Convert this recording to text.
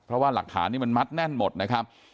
เพราะว่าหลักฐานนี้มันมัดแน่นหมดนะครับ